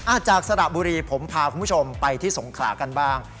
จากสระบุรีผมพาคุณผู้ชมไปที่สงขลากันบ้าง